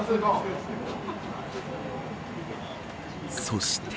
そして。